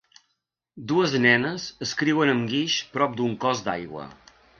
Dues nenes escriuen amb guix prop d'un cos d'aigua.